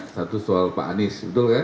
satu soal pak anies